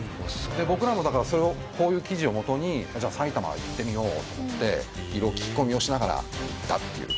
僕らもだからそれをこういう記事をもとにじゃあ埼玉行ってみようと思っていろいろ聞き込みをしながら行ったっていう。